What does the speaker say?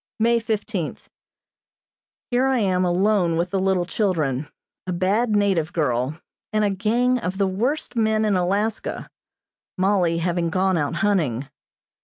May fifteenth: Here I am alone with the little children, a bad native girl, and a gang of the worst men in Alaska, Mollie having gone out hunting.